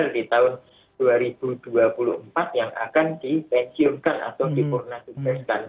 di tahun dua ribu dua puluh empat yang akan dipensiunkan atau dipurna tugaskan